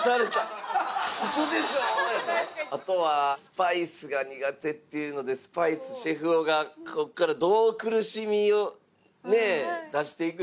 あとは。っていうのでスパイスシェフ男がこっからどう苦しみを出して行くのか。